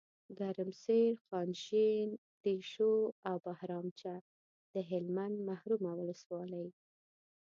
ګرمسیر، خانشین، دیشو او بهرامچه دهلمند محرومه ولسوالۍ